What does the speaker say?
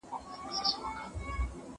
ملا ته چا وویل چې لږ نور هم غلی شه.